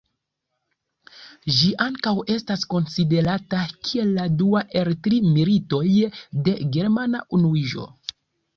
Ĝi ankaŭ estas konsiderata kiel la dua el tri Militoj de Germana Unuiĝo.